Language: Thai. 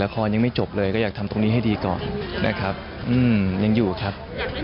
เข้าใจแล้วครับ